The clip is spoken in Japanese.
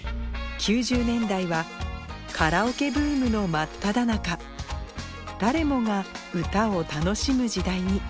９０年代はカラオケブームの真っただ中誰もが歌を楽しむ時代に